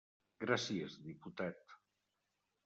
Gràcies, diputat.